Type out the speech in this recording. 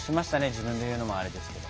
自分で言うのもあれですけど。